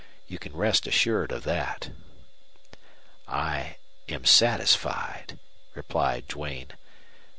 You can rest assured of that." "I am satisfied," replied Duane.